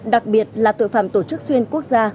đặc biệt là tội phạm tổ chức xuyên quốc gia